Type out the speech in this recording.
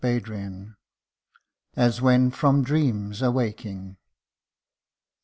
186 AS WHEN FROM DREAMS AWAKING.